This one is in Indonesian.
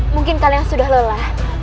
mungkin kalian sudah lelah